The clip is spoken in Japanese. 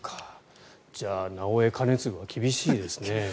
じゃあ、なおエ兼続は厳しいですね。